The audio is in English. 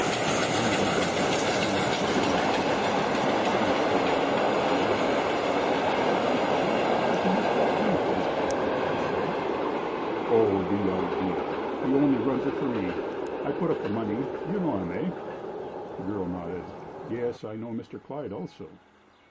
A wrinkle gathered at the corners of the stranger's eyes; her face showed a flicker of amusement. "I thought that was Mr. Emerson's cannery," she said. "Oh, the idea! He only runs it for me. I put up the money. You know him, eh?" The girl nodded. "Yes; I know Mr. Clyde also."